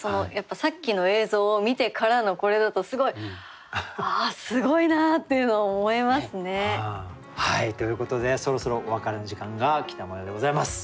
さっきの映像を見てからのこれだとすごいああすごいなっていうのを思いますね。ということでそろそろお別れの時間が来たもようでございます。